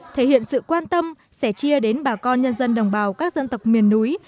thể hiện sự quan tâm sẻ chia đến bà con nhân dân đồng bào các dân tộc miền núi